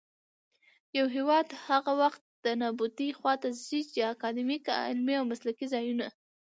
يـو هـېواد هغـه وخـت دې نـابـودۍ خـواته ځـي ،چـې اکـادميـک، عـلمـي او مـسلـکي ځـايـونــه